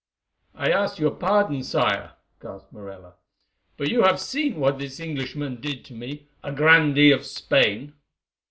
"I ask your pardon, Sire," gasped Morella, "but you have seen what this Englishman did to me, a grandee of Spain."